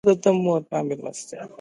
یو اپشن ستونزه نه حلوي.